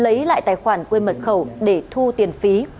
lấy lại tài khoản quê mật khẩu để thu tiền phí